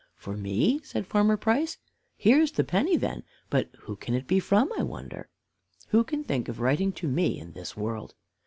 "For me!" said Farmer Price; "here's the penny then; but who can it be from, I wonder? Who can think of writing to me, in this world?"